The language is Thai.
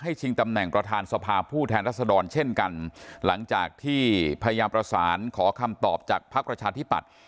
ชิงตำแหน่งประธานสภาผู้แทนรัศดรเช่นกันหลังจากที่พยายามประสานขอคำตอบจากภักดิ์ประชาธิปัตย์